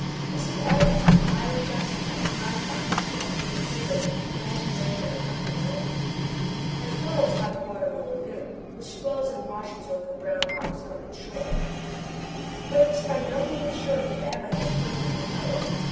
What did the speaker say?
This is evident from the violent gusts that drive back the smoke through the crater and the heavy rain that accompanies it, as well as by the water in the lagoon, which swells and washes over the brown rocks on its shores. But it is by no means sure that the Ebba has quitted her cove.